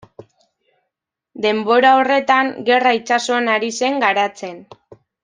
Denbora horretan, gerra itsasoan ari zen garatzen.